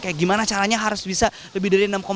kayak gimana caranya harus bisa lebih dari enam tiga